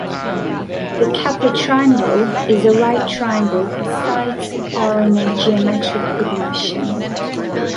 The Kepler triangle is a right triangle whose sides are in a geometric progression.